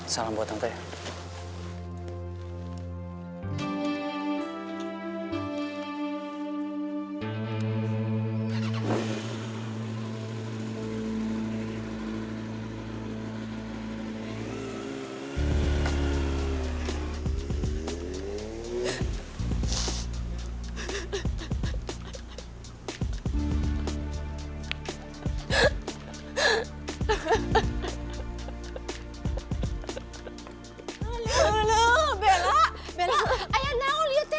salam buat tante